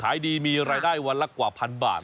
ขายดีมีรายได้วันละกว่าพันบาท